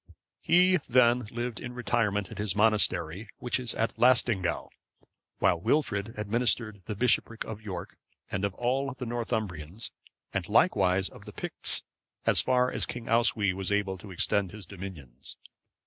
He then lived in retirement at his monastery, which is at Laestingaeu,(544) while Wilfrid administered the bishopric of York, and of all the Northumbrians, and likewise of the Picts, as far as King Oswy was able to extend his dominions.